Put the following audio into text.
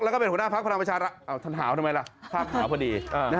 แล้วก็เป็นหัวหน้าพักพลังประชารัฐท่านหาวทำไมล่ะภาพขาวพอดี